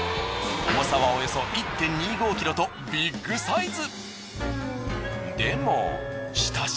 重さはおよそ１．２５ｋｇとビッグサイズ。